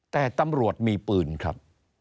แต่ตำรวจมีปืนครับ